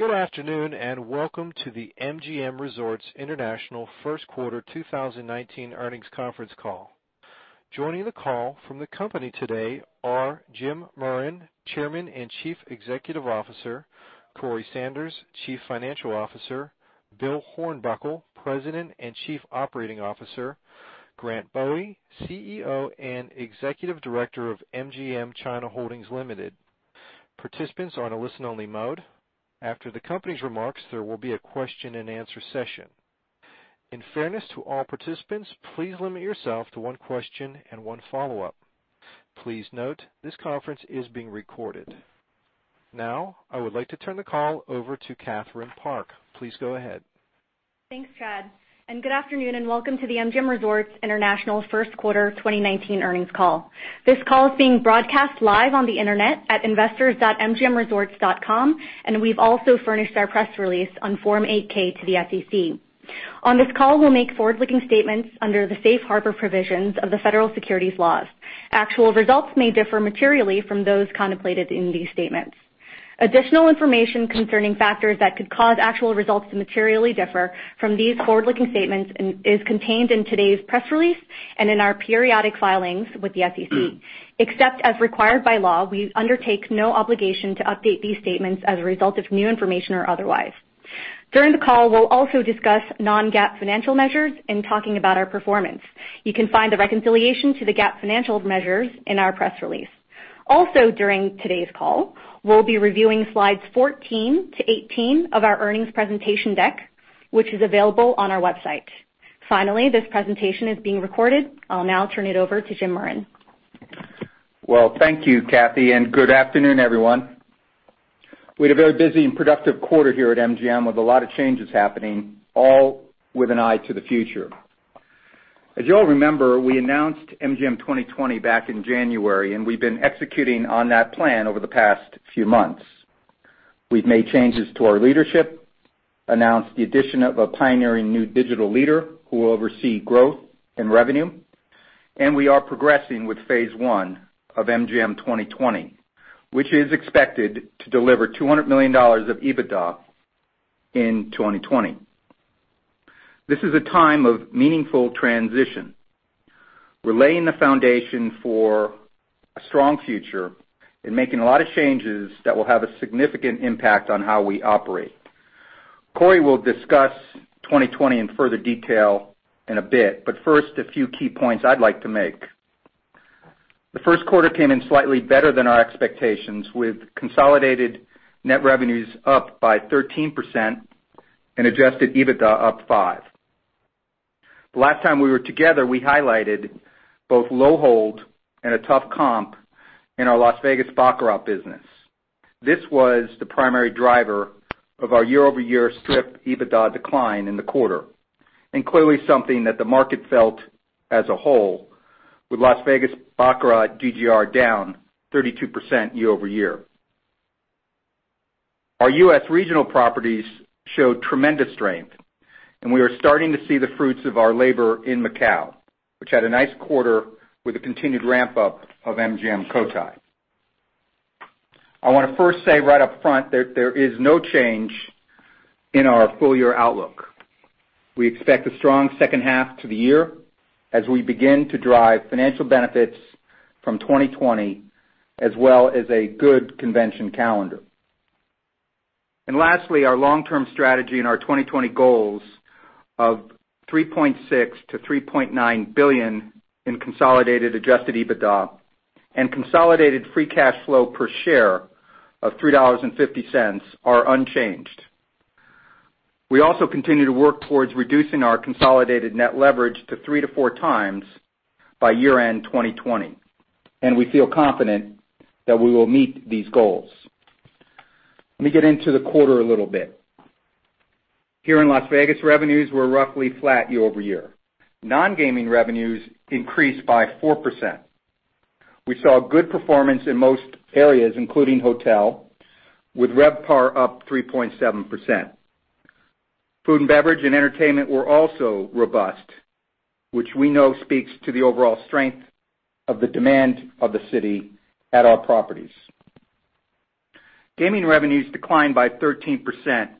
Good afternoon, and welcome to the MGM Resorts International first quarter 2019 earnings conference call. Joining the call from the company today are James Murren, Chairman and Chief Executive Officer, Corey Sanders, Chief Financial Officer, William Hornbuckle, President and Chief Operating Officer, Grant Bowie, CEO and Executive Director of MGM China Holdings Limited. Participants are on a listen-only mode. After the company's remarks, there will be a question and answer session. In fairness to all participants, please limit yourself to one question and one follow-up. Please note, this conference is being recorded. I would like to turn the call over to Catherine Park. Please go ahead. Thanks, Chad, good afternoon and welcome to the MGM Resorts International first quarter 2019 earnings call. This call is being broadcast live on the internet at investors.mgmresorts.com, we've also furnished our press release on Form 8-K to the SEC. On this call, we'll make forward-looking statements under the Safe Harbor Provisions of the Federal Securities laws. Actual results may differ materially from those contemplated in these statements. Additional information concerning factors that could cause actual results to materially differ from these forward-looking statements is contained in today's press release and in our periodic filings with the SEC. As required by law, we undertake no obligation to update these statements as a result of new information or otherwise. The call, we'll also discuss non-GAAP financial measures in talking about our performance. You can find the reconciliation to the GAAP financial measures in our press release. Also during today's call, we'll be reviewing Slides 14-18 of our earnings presentation deck, which is available on our website. This presentation is being recorded. I'll now turn it over to James Murren. Well, thank you, Cathy, good afternoon, everyone. We had a very busy and productive quarter here at MGM, with a lot of changes happening, all with an eye to the future. You all remember, we announced MGM 2020 back in January, we've been executing on that plan over the past few months. We've made changes to our leadership, announced the addition of a pioneering new digital leader who will oversee growth and revenue, we are progressing with phase 1 of MGM 2020, which is expected to deliver $200 million of EBITDA in 2020. This is a time of meaningful transition. We're laying the foundation for a strong future and making a lot of changes that will have a significant impact on how we operate. Corey will discuss 2020 in further detail in a bit, first, a few key points I'd like to make. The first quarter came in slightly better than our expectations, with consolidated net revenues up by 13% and adjusted EBITDA up 5%. The last time we were together, we highlighted both low hold and a tough comp in our Las Vegas baccarat business. This was the primary driver of our year-over-year Strip EBITDA decline in the quarter, and clearly something that the market felt as a whole with Las Vegas baccarat GGR down 32% year-over-year. Our U.S. regional properties showed tremendous strength, and we are starting to see the fruits of our labor in Macau, which had a nice quarter with a continued ramp-up of MGM Cotai. I want to first say right up front that there is no change in our full-year outlook. We expect a strong second half to the year as we begin to drive financial benefits from 2020, as well as a good convention calendar. Lastly, our long-term strategy and our 2020 goals of $3.6 billion to $3.9 billion in consolidated adjusted EBITDA and consolidated free cash flow per share of $3.50 are unchanged. We also continue to work towards reducing our consolidated net leverage to three to four times by year-end 2020, and we feel confident that we will meet these goals. Let me get into the quarter a little bit. Here in Las Vegas, revenues were roughly flat year-over-year. Non-gaming revenues increased by 4%. We saw good performance in most areas, including hotel, with RevPAR up 3.7%. Food and beverage and entertainment were also robust, which we know speaks to the overall strength of the demand of the city at our properties. Gaming revenues declined by 13%,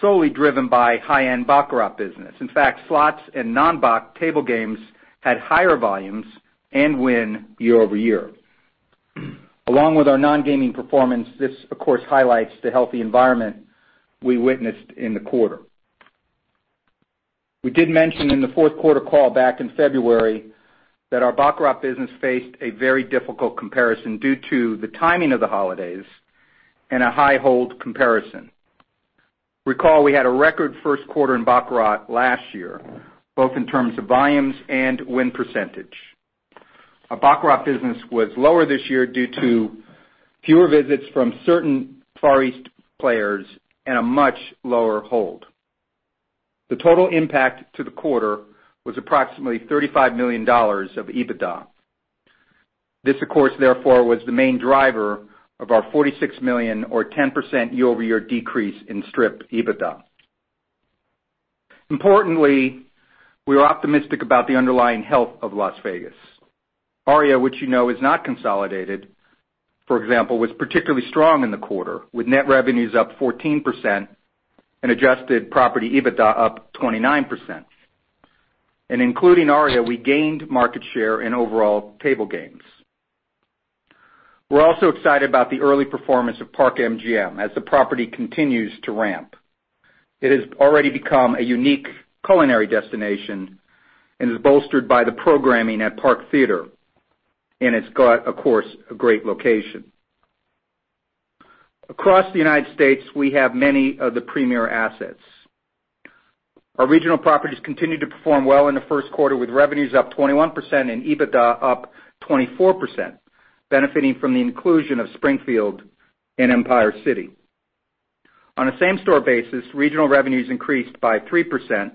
solely driven by high-end baccarat business. In fact, slots and non-bac table games had higher volumes and win year-over-year. Along with our non-gaming performance, this of course highlights the healthy environment we witnessed in the quarter. We did mention in the fourth quarter call back in February that our baccarat business faced a very difficult comparison due to the timing of the holidays and a high hold comparison. Recall we had a record first quarter in baccarat last year, both in terms of volumes and win percentage. Our baccarat business was lower this year due to fewer visits from certain Far East players and a much lower hold. The total impact to the quarter was approximately $35 million of EBITDA. This, of course, therefore, was the main driver of our $46 million, or 10% year-over-year decrease in Strip EBITDA. Importantly, we are optimistic about the underlying health of Las Vegas. Aria, which you know is not consolidated, for example, was particularly strong in the quarter, with net revenues up 14% and adjusted property EBITDA up 29%. Including Aria, we gained market share in overall table games. We're also excited about the early performance of Park MGM as the property continues to ramp. It has already become a unique culinary destination and is bolstered by the programming at Park Theater, and it's got, of course, a great location. Across the United States, we have many of the premier assets. Our regional properties continued to perform well in the first quarter, with revenues up 21% and EBITDA up 24%, benefiting from the inclusion of Springfield and Empire City. On a same-store basis, regional revenues increased by 3%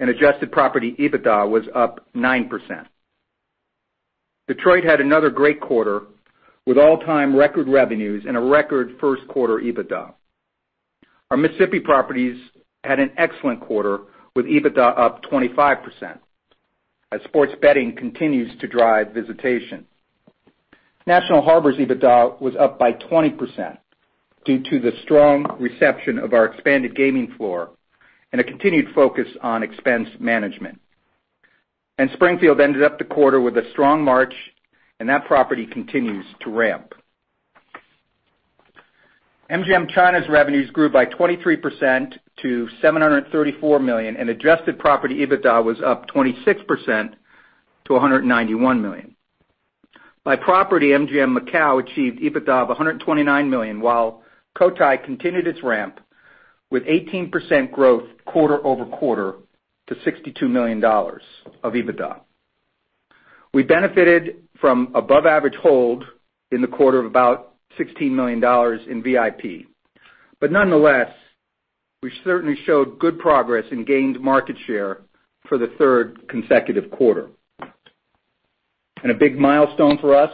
and adjusted property EBITDA was up 9%. Detroit had another great quarter with all-time record revenues and a record first quarter EBITDA. Our Mississippi properties had an excellent quarter, with EBITDA up 25%, as sports betting continues to drive visitation. MGM National Harbor's EBITDA was up by 20% due to the strong reception of our expanded gaming floor and a continued focus on expense management. Springfield ended up the quarter with a strong March, that property continues to ramp. MGM China's revenues grew by 23% to $734 million, adjusted property EBITDA was up 26% to $191 million. By property, MGM Macau achieved EBITDA of $129 million, while Cotai continued its ramp with 18% growth quarter-over-quarter to $62 million of EBITDA. We benefited from above average hold in the quarter of about $16 million in VIP. Nonetheless, we certainly showed good progress and gained market share for the third consecutive quarter. A big milestone for us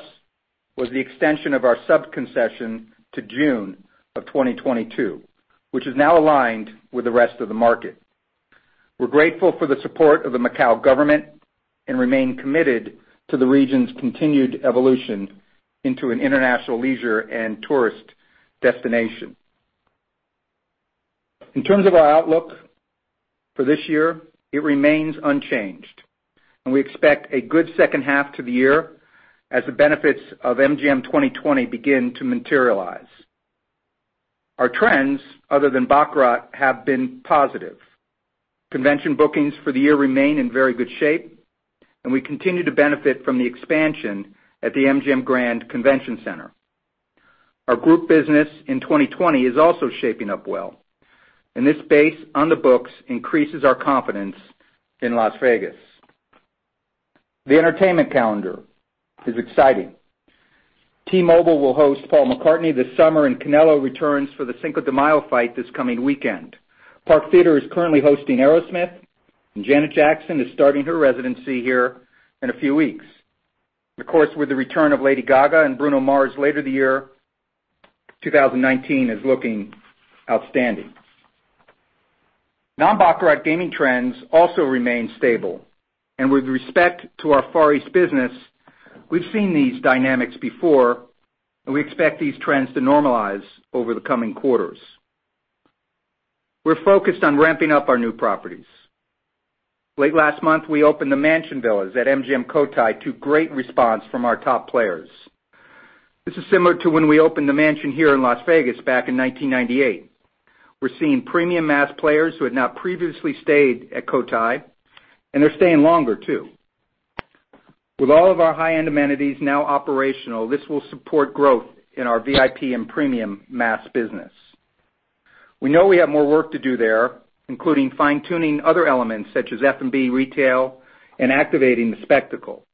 was the extension of our subconcession to June of 2022, which is now aligned with the rest of the market. We're grateful for the support of the Macau government and remain committed to the region's continued evolution into an international leisure and tourist destination. In terms of our outlook for this year, it remains unchanged, we expect a good second half to the year as the benefits of MGM 2020 begin to materialize. Our trends, other than baccarat, have been positive. Convention bookings for the year remain in very good shape, we continue to benefit from the expansion at the MGM Grand Conference Center. Our group business in 2020 is also shaping up well, this base on the books increases our confidence in Las Vegas. The entertainment calendar is exciting. T-Mobile Arena will host Paul McCartney this summer, Canelo returns for the Cinco de Mayo fight this coming weekend. Park Theater is currently hosting Aerosmith, Janet Jackson is starting her residency here in a few weeks. With the return of Lady Gaga and Bruno Mars later the year, 2019 is looking outstanding. Non-baccarat gaming trends also remain stable, with respect to our Far East business, we've seen these dynamics before, we expect these trends to normalize over the coming quarters. We're focused on ramping up our new properties. Late last month, we opened the Mansion Villas at MGM Cotai to great response from our top players. This is similar to when we opened The Mansion here in Las Vegas back in 1998. We're seeing premium mass players who had not previously stayed at Cotai, they're staying longer, too. With all of our high-end amenities now operational, this will support growth in our VIP and premium mass business. We know we have more work to do there, including fine-tuning other elements such as F&B retail and activating the spectacle.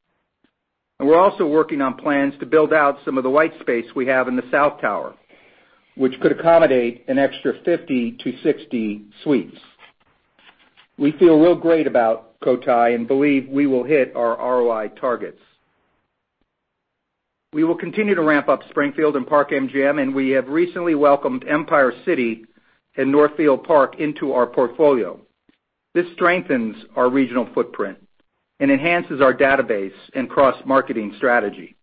We're also working on plans to build out some of the white space we have in the south tower, which could accommodate an extra 50-60 suites. We feel real great about Cotai, believe we will hit our ROI targets. We will continue to ramp up MGM Springfield and Park MGM, we have recently welcomed Empire City Casino and MGM Northfield Park into our portfolio. This strengthens our regional footprint, enhances our database and cross-marketing strategy.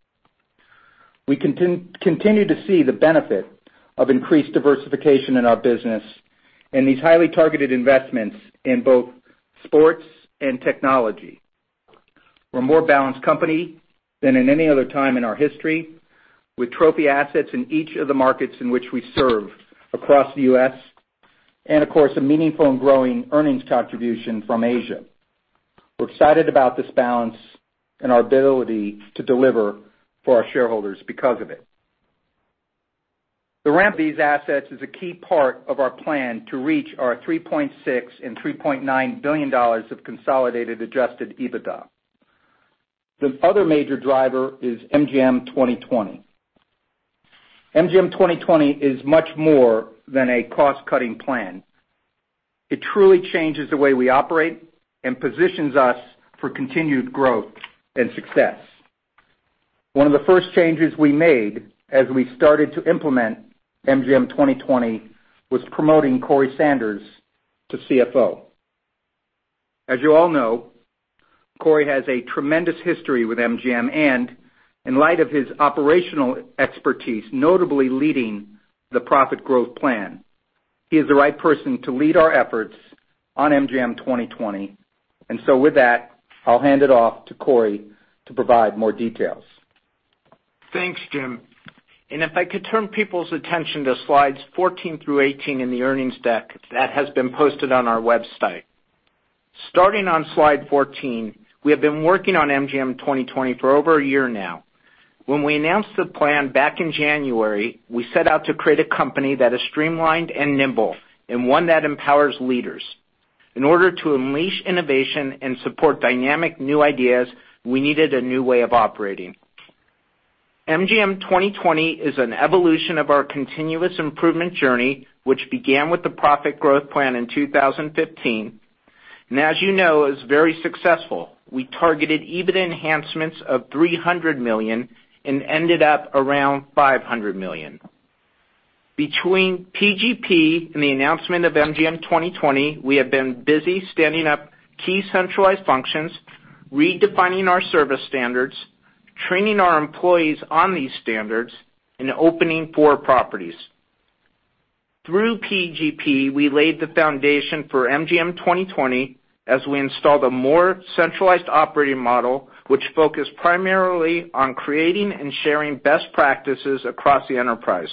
We continue to see the benefit of increased diversification in our business and these highly targeted investments in both sports and technology. We're a more balanced company than at any other time in our history, with trophy assets in each of the markets in which we serve across the U.S., and of course, a meaningful and growing earnings contribution from Asia. We're excited about this balance and our ability to deliver for our shareholders because of it. The ramp of these assets is a key part of our plan to reach our $3.6 billion and $3.9 billion of consolidated adjusted EBITDA. The other major driver is MGM 2020. MGM 2020 is much more than a cost-cutting plan. It truly changes the way we operate and positions us for continued growth and success. One of the first changes we made as we started to implement MGM 2020 was promoting Corey Sanders to CFO. As you all know, Corey has a tremendous history with MGM and in light of his operational expertise, notably leading the Profit Growth Plan, he is the right person to lead our efforts on MGM 2020. With that, I'll hand it off to Corey to provide more details. Thanks, Jim. If I could turn people's attention to Slides 14 through 18 in the earnings deck that has been posted on our website. Starting on Slide 14, we have been working on MGM 2020 for over a year now. When we announced the plan back in January, we set out to create a company that is streamlined and nimble, and one that empowers leaders. In order to unleash innovation and support dynamic new ideas, we needed a new way of operating. MGM 2020 is an evolution of our continuous improvement journey, which began with the Profit Growth Plan in 2015, and as you know, is very successful. We targeted EBITDA enhancements of $300 million and ended up around $500 million. Between PGP and the announcement of MGM 2020, we have been busy standing up key centralized functions, redefining our service standards, training our employees on these standards, and opening four properties. Through PGP, we laid the foundation for MGM 2020 as we installed a more centralized operating model which focused primarily on creating and sharing best practices across the enterprise.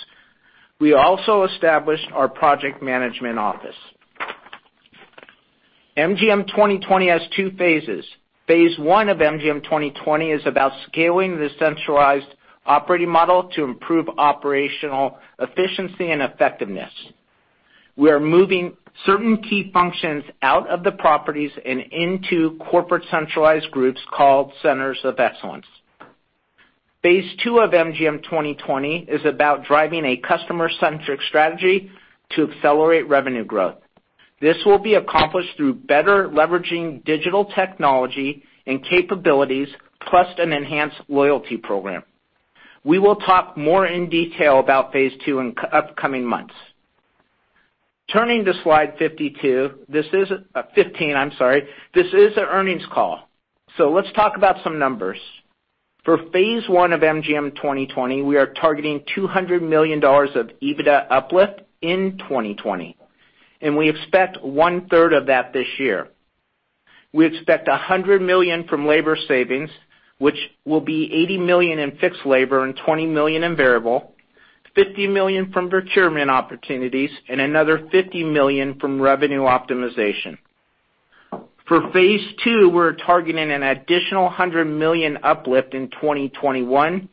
We also established our Project Management Office. MGM 2020 has two phases. Phase one of MGM 2020 is about scaling the centralized operating model to improve operational efficiency and effectiveness. We are moving certain key functions out of the properties and into corporate centralized groups called Centers of Excellence. Phase II of MGM 2020 is about driving a customer-centric strategy to accelerate revenue growth. This will be accomplished through better leveraging digital technology and capabilities, plus an enhanced loyalty program. We will talk more in detail about phase two in upcoming months. Turning to Slide 15, I'm sorry. This is an earnings call, so let's talk about some numbers. For phase one of MGM 2020, we are targeting $200 million of EBITDA uplift in 2020, and we expect one-third of that this year. We expect $100 million from labor savings, which will be $80 million in fixed labor and $20 million in variable, $50 million from procurement opportunities, and another $50 million from revenue optimization. For phase two, we're targeting an additional $100 million uplift in 2021,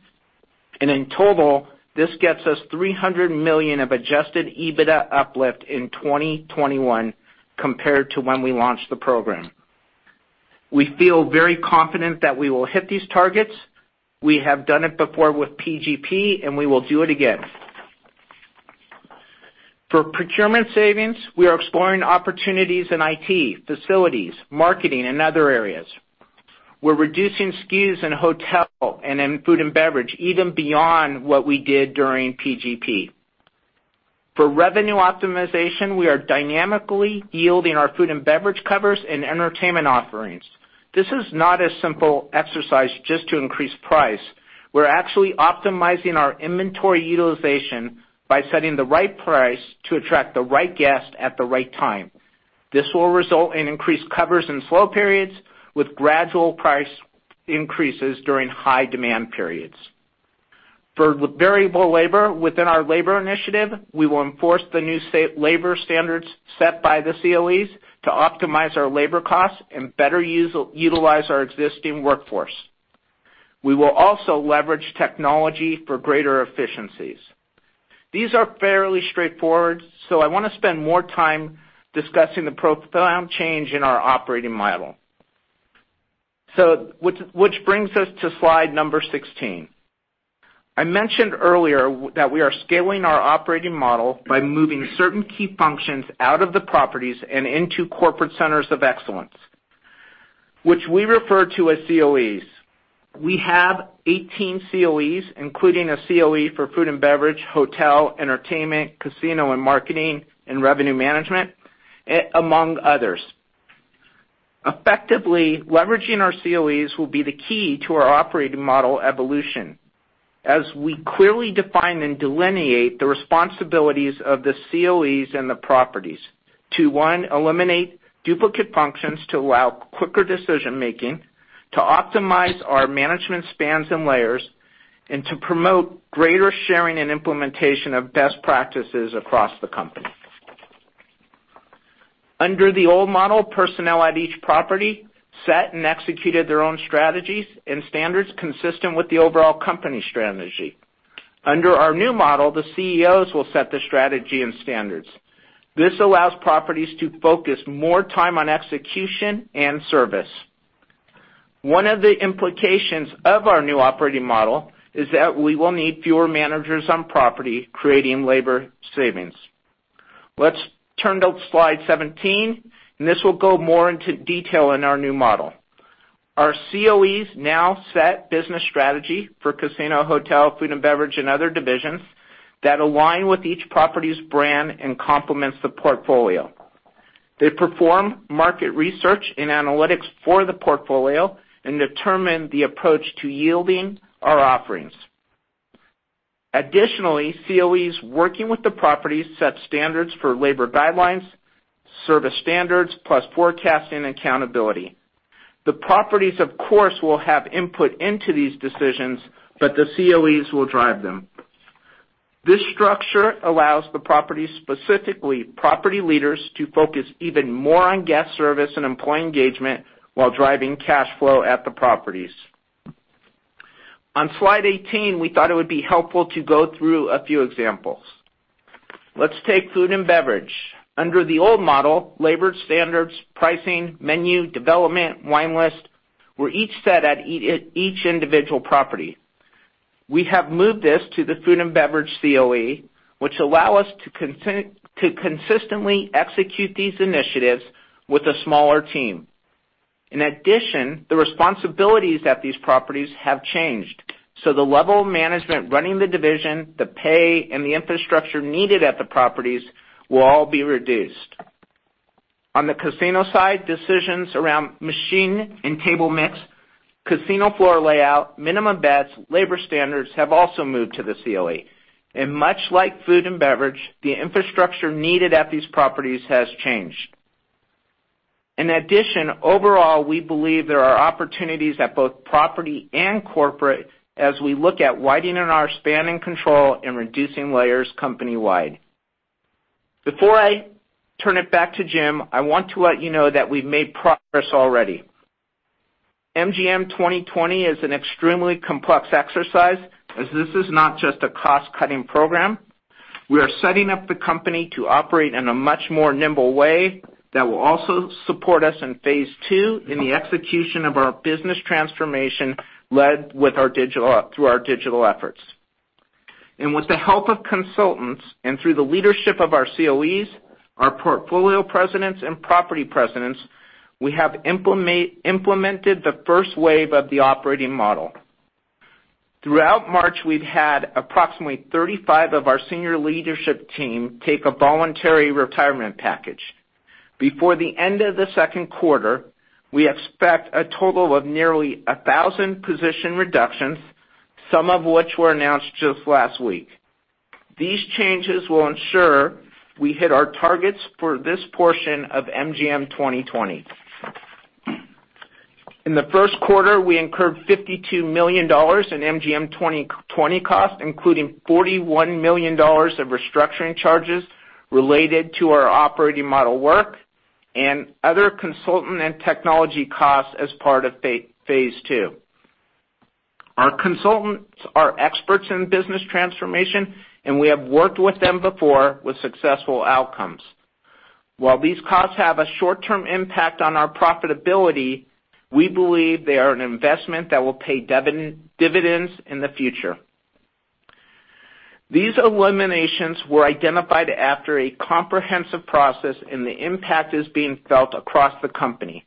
and in total, this gets us $300 million of adjusted EBITDA uplift in 2021 compared to when we launched the program. We feel very confident that we will hit these targets. We have done it before with PGP, and we will do it again. For procurement savings, we are exploring opportunities in IT, facilities, marketing, and other areas. We're reducing SKUs in hotel and in food and beverage even beyond what we did during PGP. For revenue optimization, we are dynamically yielding our food and beverage covers and entertainment offerings. This is not a simple exercise just to increase price. We're actually optimizing our inventory utilization by setting the right price to attract the right guest at the right time. This will result in increased covers in slow periods with gradual price increases during high demand periods. For variable labor within our labor initiative, we will enforce the new state labor standards set by the COEs to optimize our labor costs and better utilize our existing workforce. We will also leverage technology for greater efficiencies. These are fairly straightforward, so I want to spend more time discussing the profound change in our operating model. Which brings us to Slide 16. I mentioned earlier that we are scaling our operating model by moving certain key functions out of the properties and into corporate Centers of Excellence, which we refer to as COEs. We have 18 COEs, including a COE for food and beverage, hotel, entertainment, casino and marketing, and revenue management, among others. Effectively leveraging our COEs will be the key to our operating model evolution as we clearly define and delineate the responsibilities of the COEs and the properties to, one, eliminate duplicate functions to allow quicker decision-making, two, optimize our management spans and layers, and to promote greater sharing and implementation of best practices across the company. Under the old model, personnel at each property set and executed their own strategies and standards consistent with the overall company strategy. Under our new model, the COEs will set the strategy and standards. This allows properties to focus more time on execution and service. One of the implications of our new operating model is that we will need fewer managers on property, creating labor savings. Let's turn to Slide 17, and this will go more into detail in our new model. Our COEs now set business strategy for casino, hotel, food and beverage, and other divisions that align with each property's brand and complements the portfolio. They perform market research and analytics for the portfolio and determine the approach to yielding our offerings. Additionally, COEs working with the properties set standards for labor guidelines, service standards, plus forecasting and accountability. The properties, of course, will have input into these decisions, but the COEs will drive them. This structure allows the properties, specifically property leaders, to focus even more on guest service and employee engagement while driving cash flow at the properties. On Slide 18, we thought it would be helpful to go through a few examples. Let's take food and beverage. Under the old model, labor standards, pricing, menu development, wine list were each set at each individual property. We have moved this to the food and beverage COE, which allow us to consistently execute these initiatives with a smaller team. In addition, the responsibilities at these properties have changed, so the level of management running the division, the pay, and the infrastructure needed at the properties will all be reduced. On the casino side, decisions around machine and table mix, casino floor layout, minimum bets, labor standards have also moved to the COE. Much like food and beverage, the infrastructure needed at these properties has changed. Overall, we believe there are opportunities at both property and corporate as we look at widening our span and control and reducing layers company-wide. Before I turn it back to Jim, I want to let you know that we've made progress already. MGM 2020 is an extremely complex exercise, as this is not just a cost-cutting program. We are setting up the company to operate in a much more nimble way that will also support us in Phase II in the execution of our business transformation led through our digital efforts. With the help of consultants and through the leadership of our COEs, our portfolio presidents, and property presidents, we have implemented the first wave of the operating model. Throughout March, we've had approximately 35 of our senior leadership team take a voluntary retirement package. Before the end of the second quarter, we expect a total of nearly 1,000 position reductions, some of which were announced just last week. These changes will ensure we hit our targets for this portion of MGM 2020. In the first quarter, we incurred $52 million in MGM 2020 costs, including $41 million of restructuring charges related to our operating model work and other consultant and technology costs as part of Phase II. Our consultants are experts in business transformation, and we have worked with them before with successful outcomes. While these costs have a short-term impact on our profitability, we believe they are an investment that will pay dividends in the future. These eliminations were identified after a comprehensive process, and the impact is being felt across the company.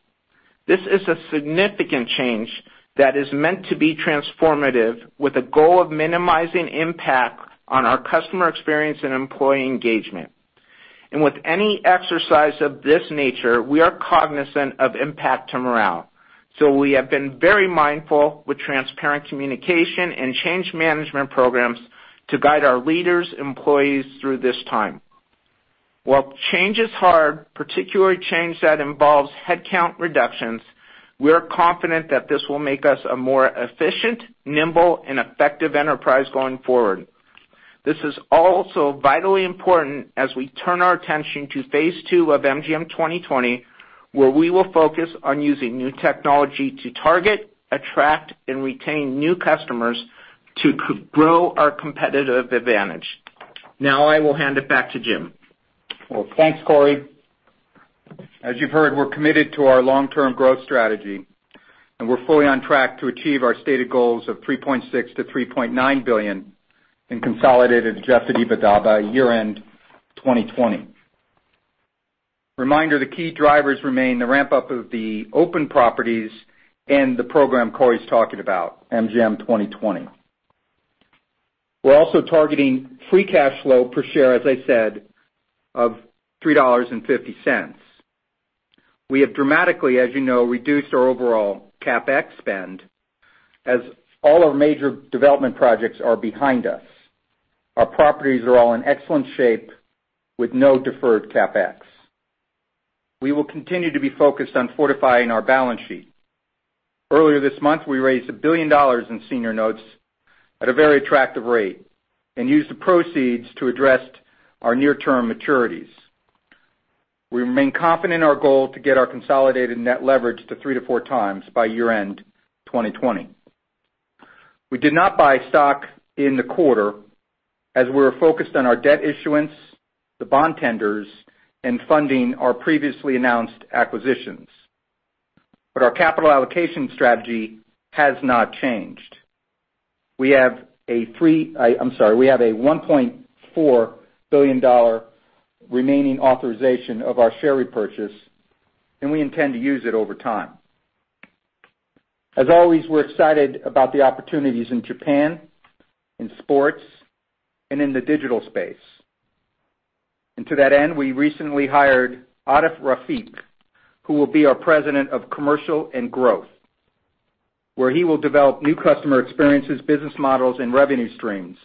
This is a significant change that is meant to be transformative, with a goal of minimizing impact on our customer experience and employee engagement. With any exercise of this nature, we are cognizant of impact to morale. We have been very mindful with transparent communication and change management programs to guide our leaders, employees through this time. While change is hard, particularly change that involves headcount reductions, we are confident that this will make us a more efficient, nimble, and effective enterprise going forward. This is also vitally important as we turn our attention to phase 2 of MGM 2020, where we will focus on using new technology to target, attract, and retain new customers to grow our competitive advantage. Now, I will hand it back to Jim. Well, thanks, Corey. As you've heard, we're committed to our long-term growth strategy, we're fully on track to achieve our stated goals of $3.6 billion-$3.9 billion in consolidated adjusted EBITDA year-end 2020. Reminder, the key drivers remain the ramp-up of the open properties and the program Corey's talking about, MGM 2020. We're also targeting free cash flow per share, as I said, of $3.50. We have dramatically, as you know, reduced our overall CapEx spend as all our major development projects are behind us. Our properties are all in excellent shape with no deferred CapEx. We will continue to be focused on fortifying our balance sheet. Earlier this month, we raised $1 billion in senior notes at a very attractive rate and used the proceeds to address our near-term maturities. We remain confident in our goal to get our consolidated net leverage to 3 to 4 times by year-end 2020. We did not buy stock in the quarter as we're focused on our debt issuance, the bond tenders, and funding our previously announced acquisitions. Our capital allocation strategy has not changed. We have a $1.4 billion remaining authorization of our share repurchase, we intend to use it over time. As always, we're excited about the opportunities in Japan, in sports, and in the digital space. To that end, we recently hired Atif Rafiq, who will be our President of Commercial and Growth, where he will develop new customer experiences, business models, and revenue streams.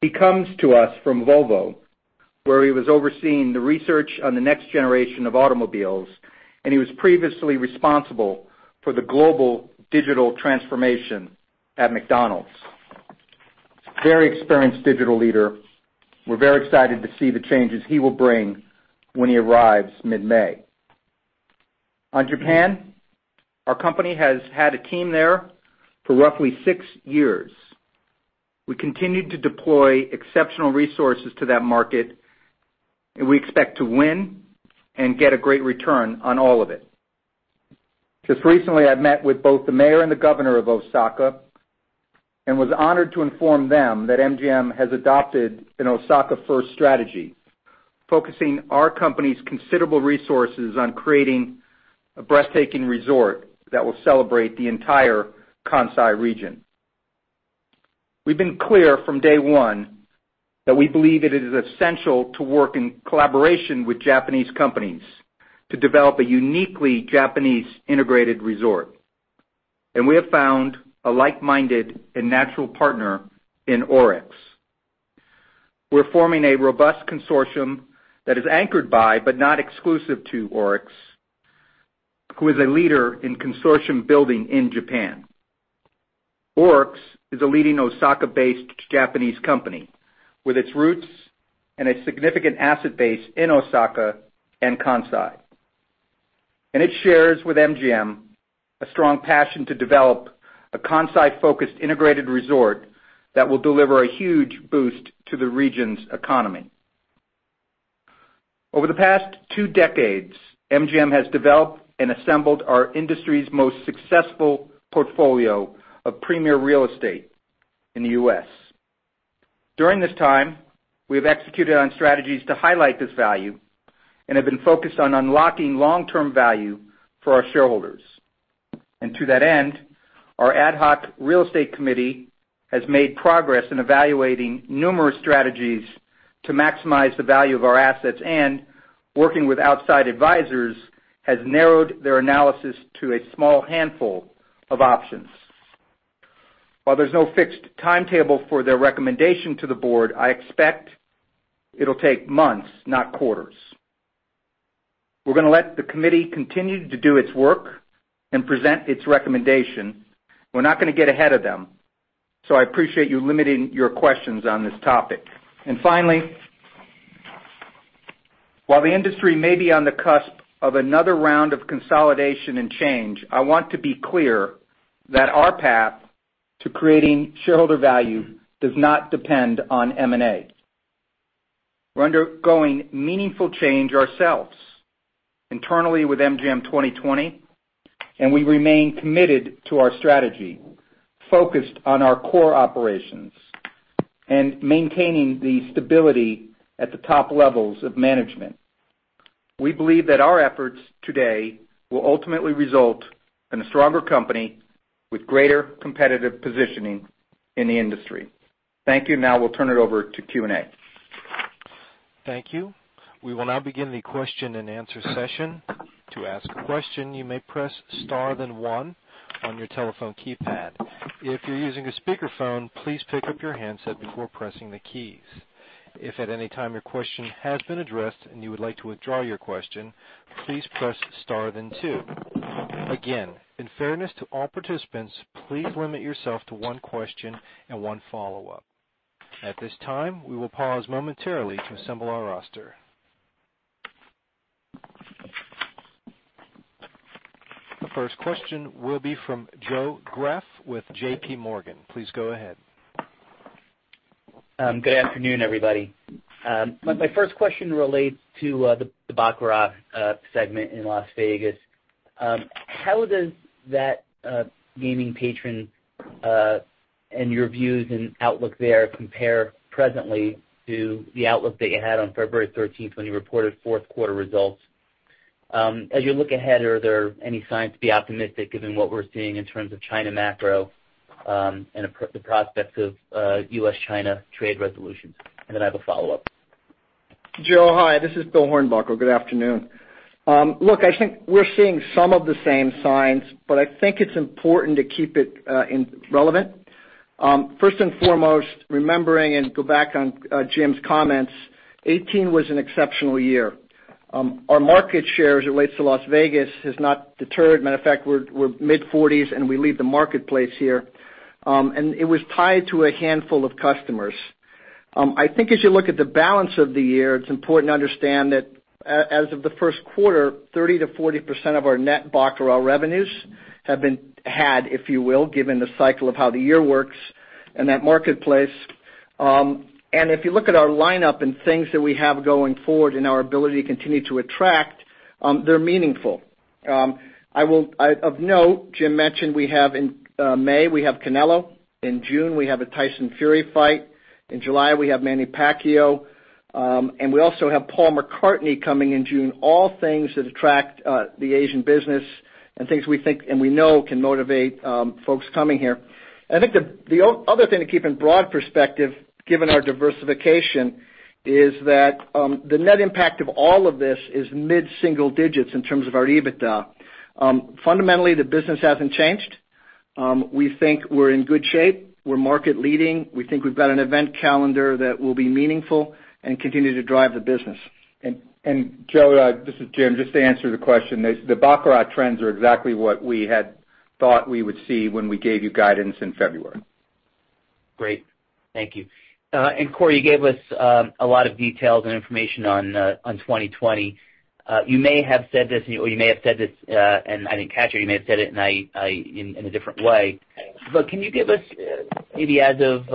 He comes to us from Volvo, where he was overseeing the research on the next generation of automobiles, he was previously responsible for the global digital transformation at McDonald's. Very experienced digital leader. We're very excited to see the changes he will bring when he arrives mid-May. On Japan, our company has had a team there for roughly six years. We continue to deploy exceptional resources to that market, we expect to win and get a great return on all of it. Just recently, I've met with both the mayor and the governor of Osaka and was honored to inform them that MGM has adopted an Osaka-first strategy, focusing our company's considerable resources on creating a breathtaking resort that will celebrate the entire Kansai region. We've been clear from day one that we believe it is essential to work in collaboration with Japanese companies to develop a uniquely Japanese integrated resort. We have found a like-minded and natural partner in ORIX. We're forming a robust consortium that is anchored by, but not exclusive to ORIX, who is a leader in consortium building in Japan. ORIX is a leading Osaka-based Japanese company with its roots and a significant asset base in Osaka and Kansai. It shares with MGM a strong passion to develop a Kansai-focused integrated resort that will deliver a huge boost to the region's economy. Over the past two decades, MGM has developed and assembled our industry's most successful portfolio of premier real estate in the U.S. During this time, we have executed on strategies to highlight this value and have been focused on unlocking long-term value for our shareholders. To that end, our ad hoc real estate committee has made progress in evaluating numerous strategies to maximize the value of our assets and, working with outside advisors, has narrowed their analysis to a small handful of options. While there's no fixed timetable for their recommendation to the board, I expect it'll take months, not quarters. We're going to let the committee continue to do its work and present its recommendation. We're not going to get ahead of them, so I appreciate you limiting your questions on this topic. Finally, while the industry may be on the cusp of another round of consolidation and change, I want to be clear that our path to creating shareholder value does not depend on M&A. We're undergoing meaningful change ourselves internally with MGM 2020, and we remain committed to our strategy focused on our core operations and maintaining the stability at the top levels of management. We believe that our efforts today will ultimately result in a stronger company with greater competitive positioning in the industry. Thank you. Now we'll turn it over to Q&A. Thank you. We will now begin the question and answer session. To ask a question, you may press Star then one on your telephone keypad. If you're using a speakerphone, please pick up your handset before pressing the keys. If at any time your question has been addressed and you would like to withdraw your question, please press Star then two. Again, in fairness to all participants, please limit yourself to one question and one follow-up. At this time, we will pause momentarily to assemble our roster. The first question will be from Joseph Greff with J.P. Morgan. Please go ahead. Good afternoon, everybody. My first question relates to the baccarat segment in Las Vegas. How does that gaming patron, and your views and outlook there compare presently to the outlook that you had on February 13th when you reported fourth quarter results? As you look ahead, are there any signs to be optimistic given what we're seeing in terms of China macro, and the prospects of U.S.-China trade resolutions? Then I have a follow-up. Joe, hi, this is William Hornbuckle. Good afternoon. Look, I think we're seeing some of the same signs, but I think it's important to keep it relevant. First and foremost, remembering and go back on Jim's comments, 2018 was an exceptional year. Our market share, as it relates to Las Vegas, has not deterred. Matter of fact, we're mid-40s and we lead the marketplace here. It was tied to a handful of customers. I think as you look at the balance of the year, it's important to understand that as of the first quarter, 30%-40% of our net baccarat revenues have been had, if you will, given the cycle of how the year works in that marketplace. If you look at our lineup and things that we have going forward and our ability to continue to attract, they're meaningful. Of note, Jim mentioned, in May, we have Canelo. In June, we have a Tyson Fury fight. In July, we have Manny Pacquiao. We also have Paul McCartney coming in June. All things that attract the Asian business and things we think and we know can motivate folks coming here. The other thing to keep in broad perspective, given our diversification, is that the net impact of all of this is mid-single digits in terms of our EBITDA. Fundamentally, the business hasn't changed. We think we're in good shape. We're market leading. We think we've got an event calendar that will be meaningful and continue to drive the business. Joe, this is Jim. Just to answer the question, the baccarat trends are exactly what we had thought we would see when we gave you guidance in February. Great. Thank you. Corey, you gave us a lot of details and information on 2020. You may have said this, or you may have said this, and I didn't catch it, or you may have said it in a different way, but can you give us maybe, I don't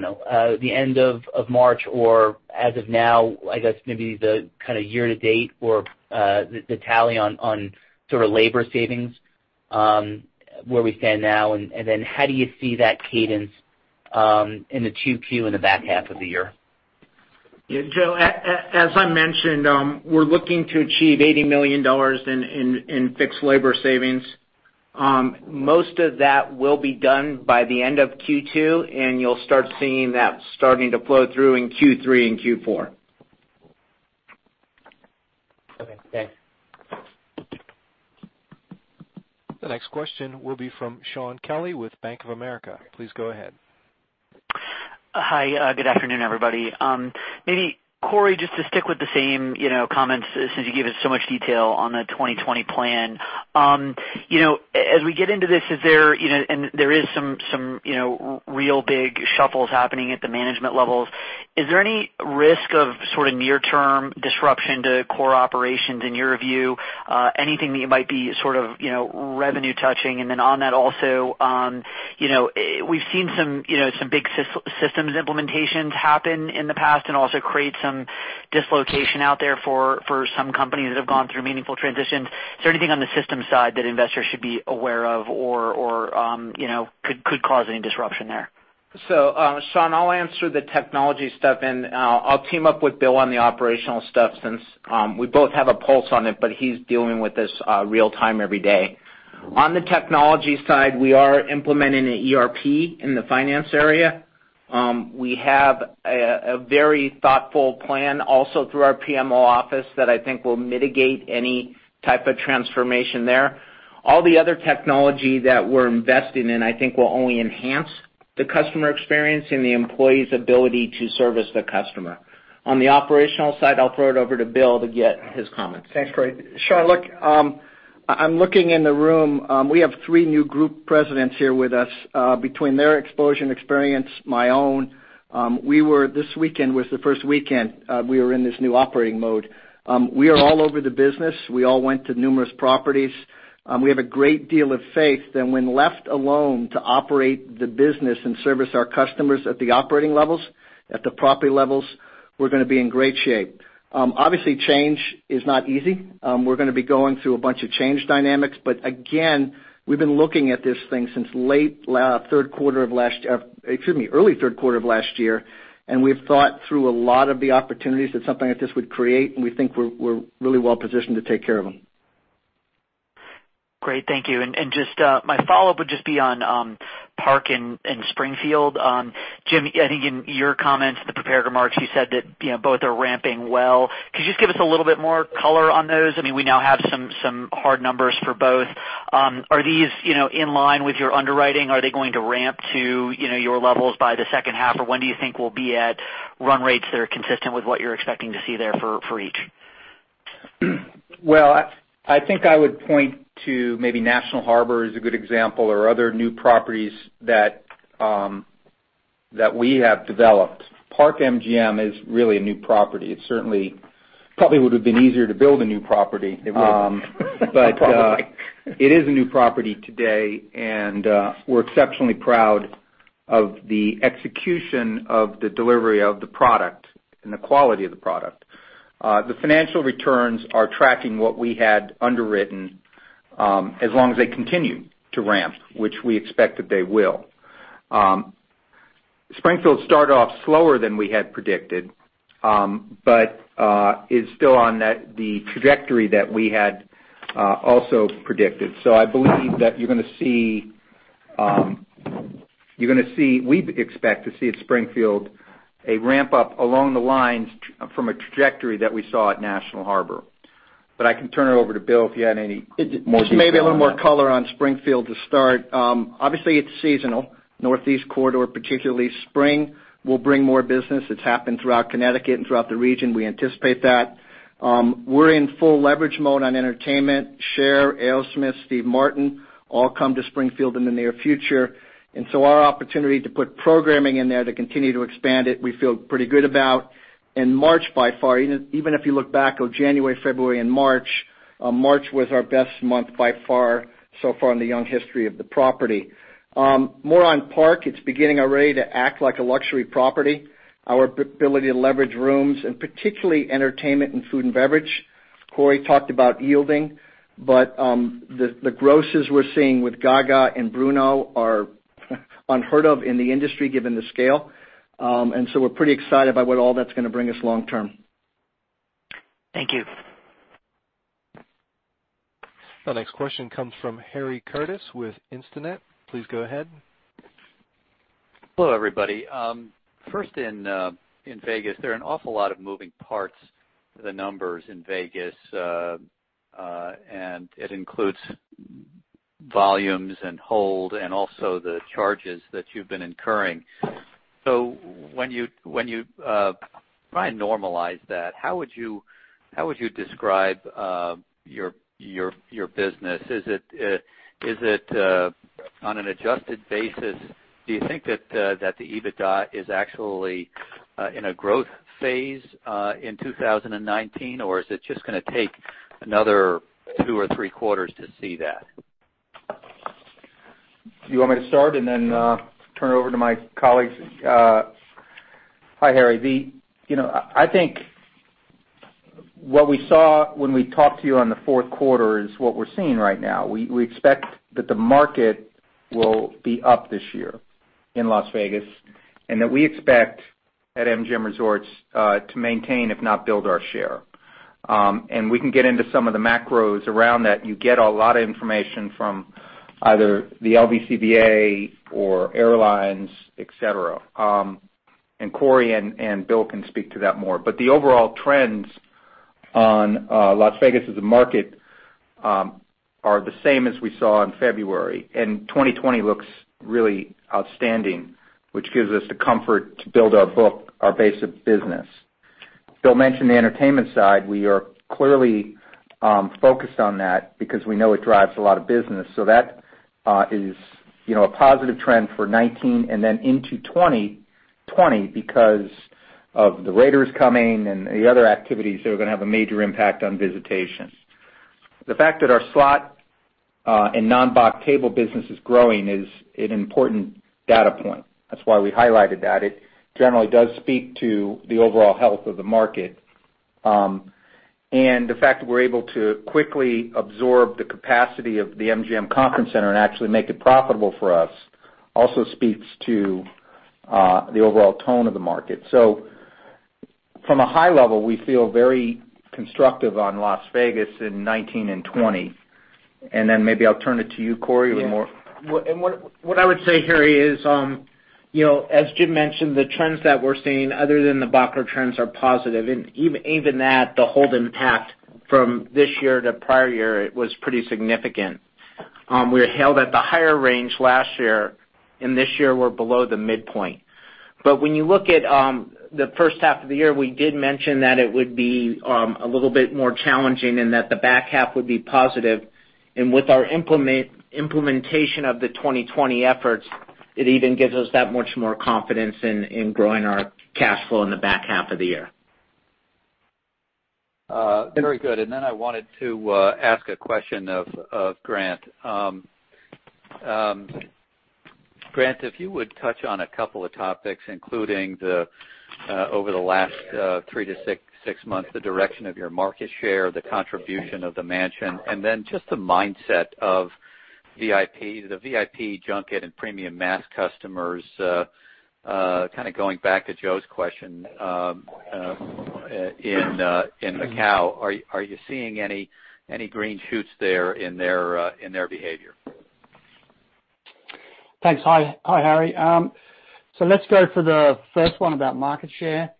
know, the end of March or as of now, I guess maybe the kind of year-to-date or the tally on sort of labor savings, where we stand now? Then how do you see that cadence in the 2Q in the back half of the year? Joe, as I mentioned, we're looking to achieve $80 million in fixed labor savings. Most of that will be done by the end of Q2, you'll start seeing that starting to flow through in Q3 and Q4. Okay, thanks. The next question will be from Shaun Kelley with Bank of America. Please go ahead. Hi, good afternoon, everybody. Maybe Corey, just to stick with the same comments since you gave us so much detail on the 2020 plan. As we get into this, and there are some real big shuffles happening at the management levels, is there any risk of sort of near-term disruption to core operations in your view? Anything that might be sort of revenue-touching? On that also, we've seen some big systems implementations happen in the past and also create some dislocation out there for some companies that have gone through meaningful transitions. Is there anything on the system-side that investors should be aware of or could cause any disruption there? Shaun, I'll answer the technology stuff and I'll team up with Bill on the operational stuff since we both have a pulse on it, but he's dealing with this real-time every day. On the technology side, we are implementing an ERP in the finance area. We have a very thoughtful plan also through our PMO office that I think will mitigate any type of transformation there. All the other technology that we're investing in, I think will only enhance the customer experience and the employee's ability to service the customer. On the operational side, I'll throw it over to Bill to get his comments. Thanks, Corey. Shaun, look, I'm looking in the room. We have three new group presidents here with us. Between their exposure and experience, my own, this weekend was the first weekend we were in this new operating mode. We are all over the business. We all went to numerous properties. We have a great deal of faith that when left alone to operate the business and service our customers at the operating levels, at the property levels, we're going to be in great shape. Obviously, change is not easy. We're going to be going through a bunch of change dynamics. Again, we've been looking at this thing since early third quarter of last year, and we've thought through a lot of the opportunities that something like this would create, and we think we're really well positioned to take care of them. Great. Thank you. My follow-up would just be on Park and Springfield. Jim, I think in your comments, the prepared remarks, you said that both are ramping well. Could you just give us a little bit more color on those? I mean, we now have some hard numbers for both. Are these in line with your underwriting? Are they going to ramp to your levels by the second half, or when do you think we'll be at run rates that are consistent with what you're expecting to see there for each? Well, I think I would point to maybe National Harbor as a good example or other new properties that we have developed. Park MGM is really a new property. It certainly probably would've been easier to build a new property. It would. It is a new property today. We're exceptionally proud of the execution of the delivery of the product and the quality of the product. The financial returns are tracking what we had underwritten, as long as they continue to ramp, which we expected they will. Springfield started off slower than we had predicted, is still on the trajectory that we had also predicted. I believe that we expect to see at Springfield a ramp-up along the lines from a trajectory that we saw at National Harbor. I can turn it over to William if you had any more details on that. Maybe a little more color on Springfield to start. Obviously, it's seasonal, Northeast Corridor particularly. Spring will bring more business. It's happened throughout Connecticut and throughout the region. We anticipate that. We're in full leverage mode on entertainment. Cher, Aerosmith, Steve Martin, all come to Springfield in the near future. Our opportunity to put programming in there to continue to expand it, we feel pretty good about. March by far, even if you look back on January, February and March March was our best month by far so far in the young history of the property. Park MGM, it's beginning already to act like a luxury property. Our ability to leverage rooms and particularly entertainment and food and beverage. Corey talked about yielding, but the grosses we're seeing with Gaga and Bruno are unheard of in the industry, given the scale. We're pretty excited about what all that's going to bring us long term. Thank you. The next question comes from Harry Curtis with Instinet. Please go ahead. Hello, everybody. First in Vegas, there are an awful lot of moving parts to the numbers in Vegas, and it includes volumes and hold and also the charges that you've been incurring. When you try and normalize that, how would you describe your business? Is it on an adjusted basis, do you think that the EBITDA is actually in a growth phase in 2019 or is it just going to take another two or three quarters to see that? You want me to start and then turn it over to my colleagues? Hi, Harry. I think what we saw when we talked to you on the fourth quarter is what we're seeing right now. We expect that the market will be up this year in Las Vegas and that we expect at MGM Resorts to maintain, if not build our share. We can get into some of the macros around that. You get a lot of information from either the LVCVA or airlines, et cetera. Corey and Bill can speak to that more. The overall trends on Las Vegas as a market are the same as we saw in February. 2020 looks really outstanding, which gives us the comfort to build our book, our base of business. Bill mentioned the entertainment side. We are clearly focused on that because we know it drives a lot of business. That is a positive trend for 2019 and then into 2020 because of the Raiders coming and the other activities that are going to have a major impact on visitation. The fact that our slot and non-box table business is growing is an important data point. That's why we highlighted that. It generally does speak to the overall health of the market. The fact that we're able to quickly absorb the capacity of the MGM Grand Conference Center and actually make it profitable for us also speaks to the overall tone of the market. From a high level, we feel very constructive on Las Vegas in 2019 and 2020. Then maybe I'll turn it to you, Corey, with more. What I would say, Harry, is as Jim mentioned, the trends that we're seeing other than the boxer trends are positive. Even that, the hold impact from this year to prior year, it was pretty significant. We held at the higher range last year, and this year we're below the midpoint. When you look at the first half of the year, we did mention that it would be a little bit more challenging and that the back half would be positive. With our implementation of the MGM 2020 efforts, it even gives us that much more confidence in growing our cash flow in the back half of the year. Very good. I wanted to ask a question of Grant. Grant, if you would touch on a couple of topics, including over the last three to six months, the direction of your market share, the contribution of The Mansion, just the mindset of VIP, the VIP junket and premium mass customers, kind of going back to Joe's question, in Macau. Are you seeing any green shoots there in their behavior? Thanks. Hi, Harry. Let's go for the first one about market share.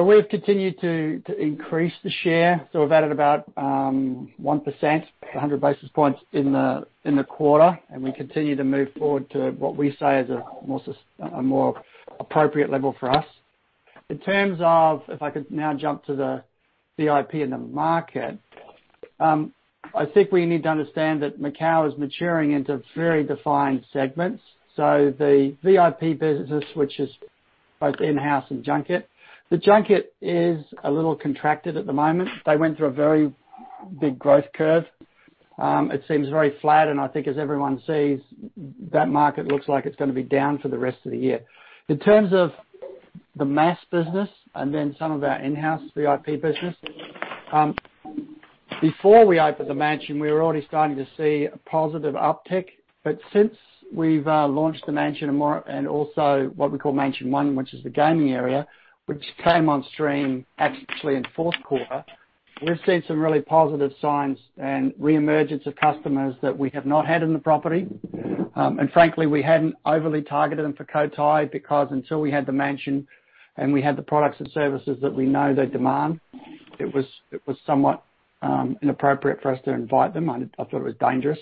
We've continued to increase the share. We've added about 1%, 100 basis points in the quarter, and we continue to move forward to what we say is a more appropriate level for us. In terms of, if I could now jump to the VIP in the market, I think we need to understand that Macau is maturing into very defined segments. The VIP business, which is both in-house and junket. The junket is a little contracted at the moment. They went through a very big growth curve. It seems very flat, and I think as everyone sees, that market looks like it's going to be down for the rest of the year. In terms of the mass business some of our in-house VIP business, before we opened The Mansion, we were already starting to see a positive uptick. Since we've launched The Mansion and also what we call Mansion One, which is the gaming area, which came on stream actually in the fourth quarter, we've seen some really positive signs and reemergence of customers that we have not had in the property. Frankly, we hadn't overly targeted them for Cotai because until we had The Mansion and we had the products and services that we know they demand, it was somewhat inappropriate for us to invite them, and I thought it was dangerous.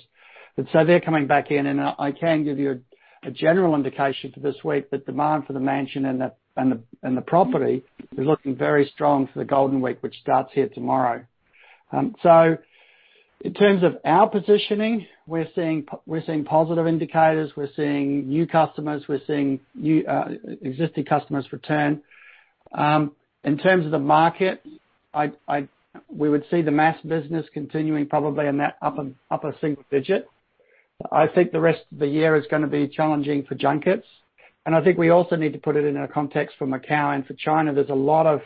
They're coming back in, and I can give you a general indication for this week that demand for The Mansion and the property is looking very strong for the Golden Week, which starts here tomorrow. In terms of our positioning, we're seeing positive indicators. We're seeing new customers. We're seeing existing customers return. In terms of the market, we would see the mass business continuing probably in that upper single-digit. I think the rest of the year is going to be challenging for junkets. I think we also need to put it in a context for Macau and for China. There's a lot of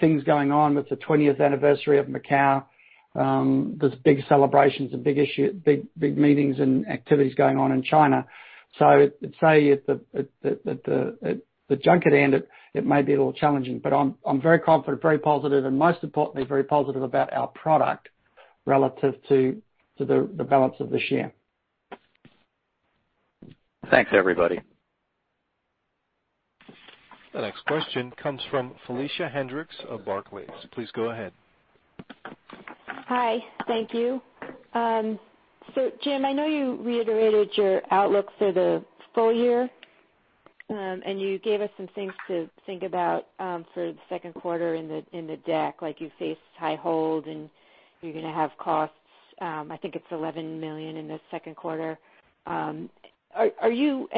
things going on with the 20th anniversary of Macau. There's big celebrations and big meetings and activities going on in China. Say at the junket end, it may be a little challenging, but I'm very confident, very positive, and most importantly, very positive about our product relative to the balance of this year. Thanks, everybody. The next question comes from Felicia Hendrix of Barclays. Please go ahead. Hi. Thank you. Jim, I know you reiterated your outlook for the full year, you gave us some things to think about for the second quarter in the deck, like you faced high hold and you're going to have costs, I think it's $11 million in the second quarter. You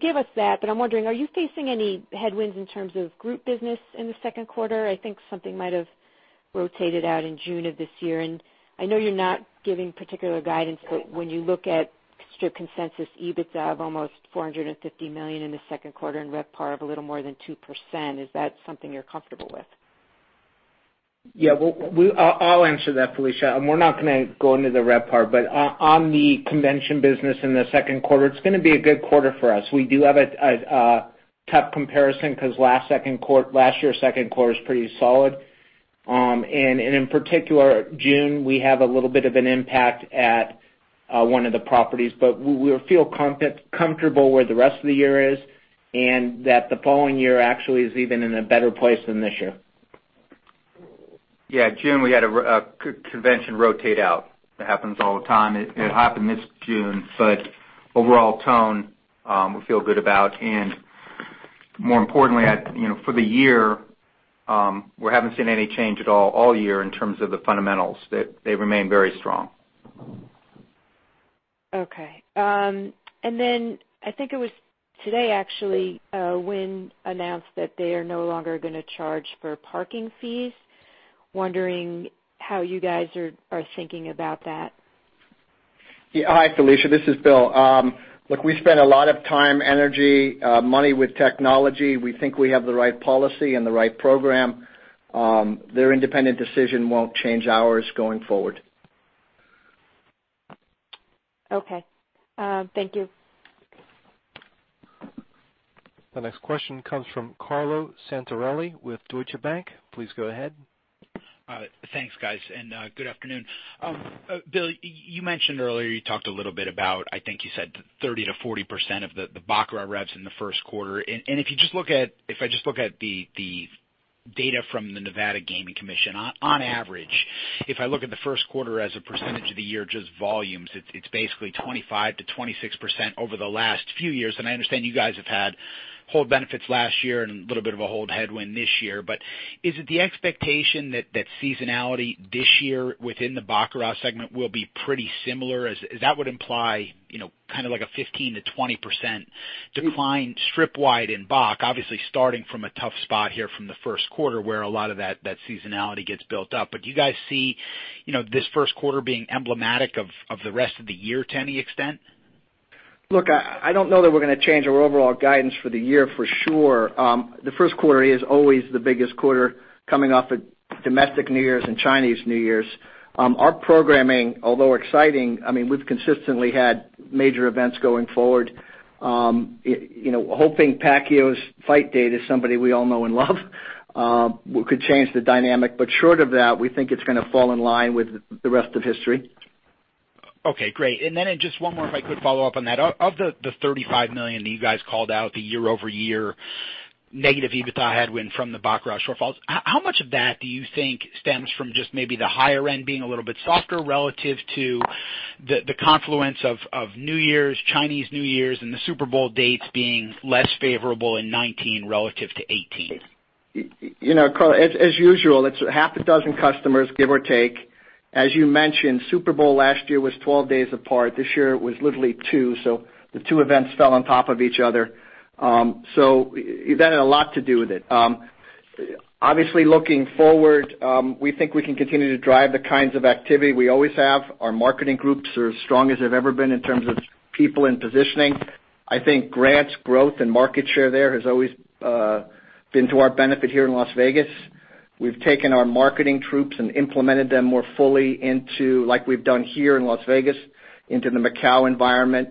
gave us that, I'm wondering, are you facing any headwinds in terms of group business in the second quarter? I think something might have rotated out in June of this year, I know you're not giving particular guidance, when you look at Strip consensus EBITDA of almost $450 million in the second quarter and RevPAR of a little more than 2%, is that something you're comfortable with? Yeah. I'll answer that, Felicia. We're not going to go into the RevPAR, on the convention business in the second quarter, it's going to be a good quarter for us. We do have a tough comparison because last year's second quarter was pretty solid. In particular, June, we have a little bit of an impact at one of the properties, we feel comfortable where the rest of the year is and that the following year actually is even in a better place than this year. Yeah, June we had a convention rotate out. It happens all the time. It happened this June, overall tone, we feel good about. More importantly, for the year, we haven't seen any change at all year in terms of the fundamentals. They remain very strong. Okay. I think it was today actually, Wynn announced that they are no longer going to charge for parking fees. Wondering how you guys are thinking about that. Yeah. Hi, Felicia. This is William. Look, we spend a lot of time, energy, money with technology. We think we have the right policy and the right program. Their independent decision won't change ours going forward. Okay. Thank you. The next question comes from Carlo Santarelli with Deutsche Bank. Please go ahead. Thanks, guys, and good afternoon. Bill, you mentioned earlier, you talked a little bit about, I think you said 30%-40% of the baccarat revs in the first quarter. If I just look at the data from the Nevada Gaming Commission, on average, if I look at the first quarter as a percentage of the year, just volumes, it's basically 25%-26% over the last few years. I understand you guys have had hold benefits last year and a little bit of a hold headwind this year. Is it the expectation that seasonality this year within the baccarat segment will be pretty similar? As that would imply kind of like a 15%-20% decline strip wide in bac, obviously starting from a tough spot here from the first quarter where a lot of that seasonality gets built up. Do you guys see this first quarter being emblematic of the rest of the year to any extent? I don't know that we're going to change our overall guidance for the year for sure. The first quarter is always the biggest quarter coming off of domestic New Year's and Chinese New Year's. Our programming, although exciting, we've consistently had major events going forward. Hoping Pacquiao's fight date is somebody we all know and love could change the dynamic. Short of that, we think it's going to fall in line with the rest of history. Then just one more, if I could follow up on that. Of the $35 million that you guys called out, the year-over-year negative EBITDA headwind from the baccarat shortfalls, how much of that do you think stems from just maybe the higher end being a little bit softer relative to the confluence of New Year's, Chinese New Year's, and the Super Bowl dates being less favorable in 2019 relative to 2018? Carlo, as usual, it's half a dozen customers, give or take. As you mentioned, Super Bowl last year was 12 days apart. This year it was literally two, so the two events fell on top of each other. That had a lot to do with it. Looking forward, we think we can continue to drive the kinds of activity we always have. Our marketing groups are as strong as they've ever been in terms of people and positioning. I think Grant's growth and market share there has always been to our benefit here in Las Vegas. We've taken our marketing troops and implemented them more fully into, like we've done here in Las Vegas, into the Macau environment.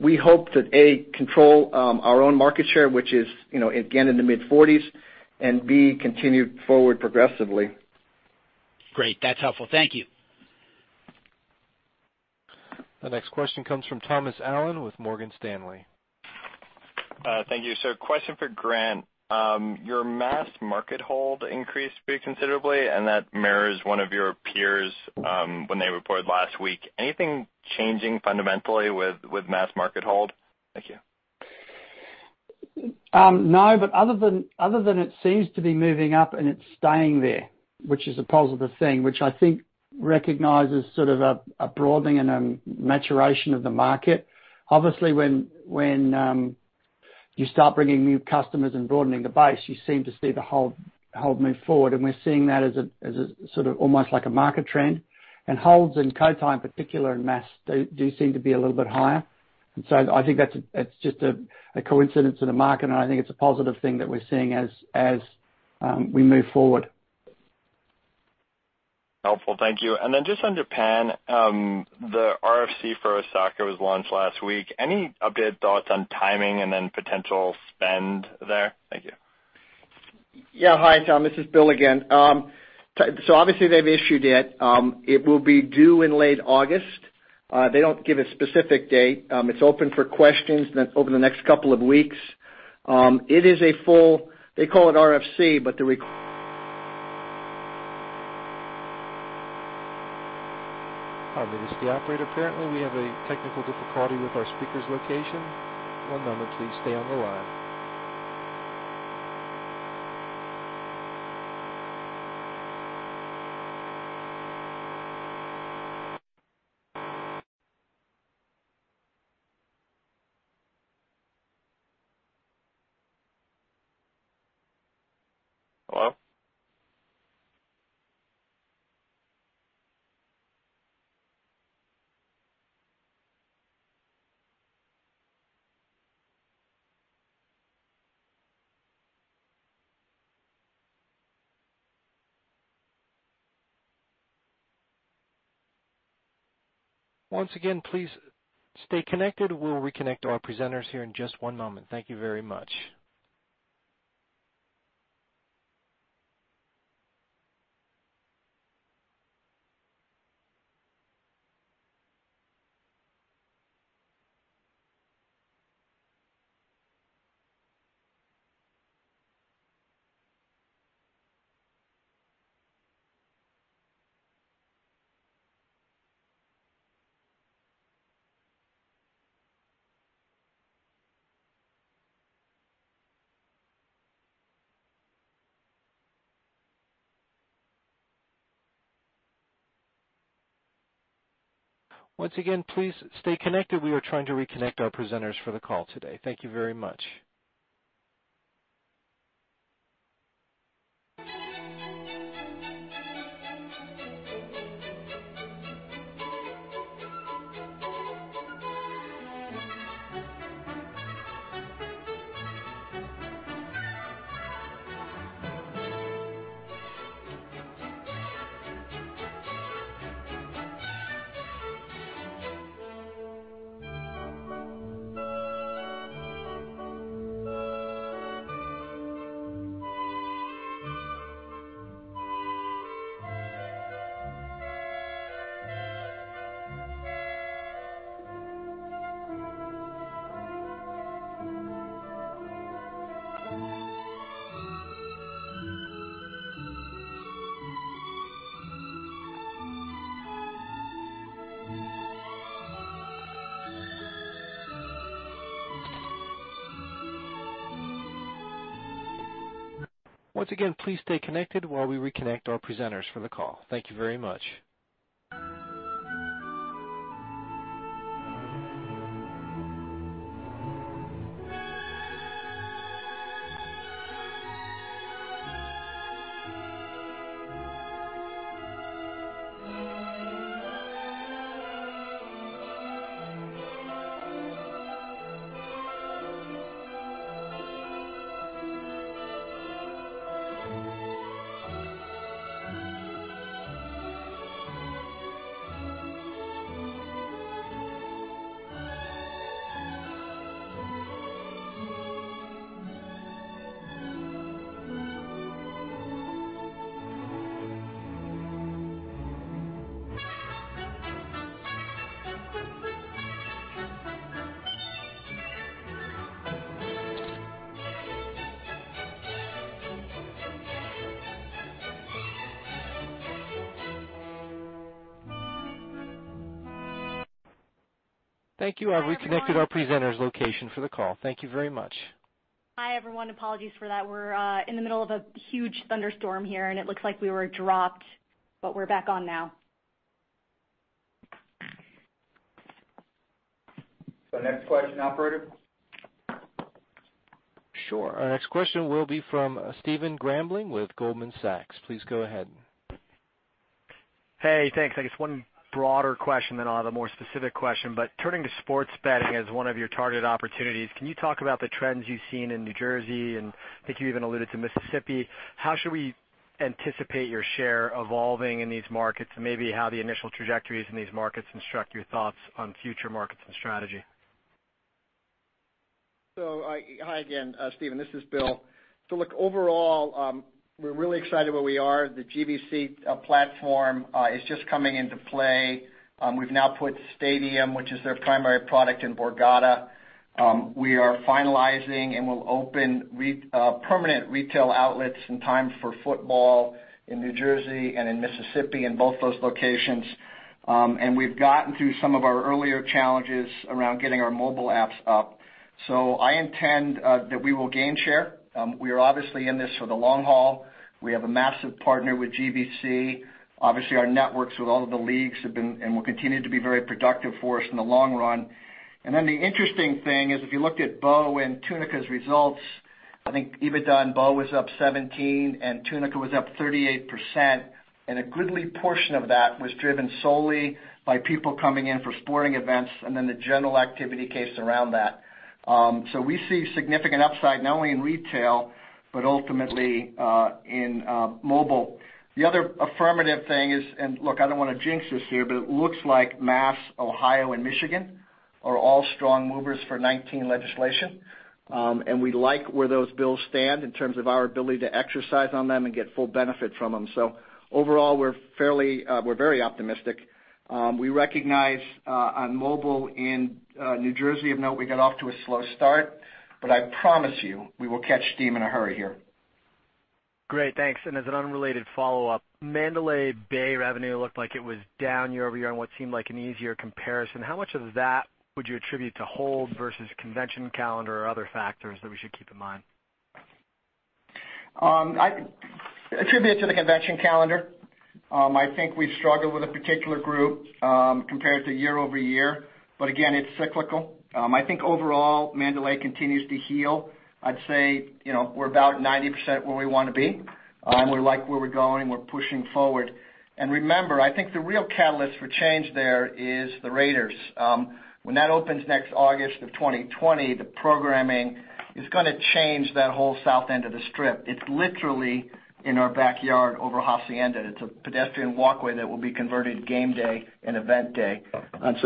We hope to, A, control our own market share, which is again in the mid-40s, and B, continue forward progressively. Great. That's helpful. Thank you. The next question comes from Thomas Allen with Morgan Stanley. Thank you. Question for Grant. Your mass market hold increased pretty considerably, and that mirrors one of your peers when they reported last week. Anything changing fundamentally with mass market hold? Thank you. No, other than it seems to be moving up and it's staying there, which is a positive thing, which I think recognizes sort of a broadening and a maturation of the market. Obviously, when you start bringing new customers and broadening the base, you seem to see the hold move forward, and we're seeing that as a sort of almost like a market trend. Holds in Cotai, in particular, and mass tables do seem to be a little bit higher. I think that's just a coincidence in the market, and I think it's a positive thing that we're seeing as we move forward. Helpful. Thank you. Just on Japan, the RFC for Osaka was launched last week. Any updated thoughts on timing and then potential spend there? Thank you. Yeah. Hi, Tom. This is William again. Obviously they've issued it. It will be due in late August. They don't give a specific date. It's open for questions over the next couple of weeks. It is a full, they call it RFC, but the Pardon me. This is the operator. Apparently, we have a technical difficulty with our speaker's location. One moment please. Stay on the line. Hello? Once again, please stay connected. We'll reconnect our presenters here in just one moment. Thank you very much. Once again, please stay connected. We are trying to reconnect our presenters for the call today. Thank you very much. Once again, please stay connected while we reconnect our presenters for the call. Thank you very much. Thank you. I've reconnected our presenter's location for the call. Thank you very much. Hi, everyone. Apologies for that. We're in the middle of a huge thunderstorm here, and it looks like we were dropped, but we're back on now. The next question, operator? Sure. Our next question will be from Stephen Grambling with Goldman Sachs. Please go ahead. Hey, thanks. I guess one broader question, then I'll have a more specific question. Turning to sports betting as one of your targeted opportunities, can you talk about the trends you've seen in New Jersey? And I think you even alluded to Mississippi. How should we anticipate your share evolving in these markets, and maybe how the initial trajectories in these markets instruct your thoughts on future markets and strategy? Hi again, Stephen. This is Bill. Overall, we're really excited where we are. The GVC platform is just coming into play. We've now put Stadium, which is their primary product in Borgata. We are finalizing and will open permanent retail outlets in time for football in New Jersey and in Mississippi, in both those locations. We've gotten through some of our earlier challenges around getting our mobile apps up. I intend that we will gain share. We are obviously in this for the long haul. We have a massive partner with GVC. Obviously, our networks with all of the leagues have been and will continue to be very productive for us in the long run. The interesting thing is, if you looked at Beau Rivage and Tunica's results, I think EBITDA in Beau Rivage was up 17% and Tunica was up 38%, and a goodly portion of that was driven solely by people coming in for sporting events and then the general activity case around that. We see significant upside not only in retail but ultimately in mobile. The other affirmative thing is, and look, I don't want to jinx this here, but it looks like Massachusetts, Ohio, and Michigan are all strong movers for 2019 legislation. We like where those bills stand in terms of our ability to exercise on them and get full benefit from them. Overall, we're very optimistic. We recognize on mobile in New Jersey, of note, we got off to a slow start, but I promise you, we will catch steam in a hurry here. Great, thanks. As an unrelated follow-up, Mandalay Bay revenue looked like it was down year-over-year on what seemed like an easier comparison. How much of that would you attribute to hold versus convention calendar or other factors that we should keep in mind? Attribute it to the convention calendar. I think we struggled with a particular group compared to year-over-year. Again, it's cyclical. I think overall, Mandalay continues to heal. I'd say we're about 90% where we want to be, and we like where we're going. We're pushing forward. Remember, I think the real catalyst for change there is the Raiders. When that opens next August of 2020, the programming is going to change that whole south end of the Strip. It's literally in our backyard over Hacienda. It's a pedestrian walkway that will be converted game day and event day.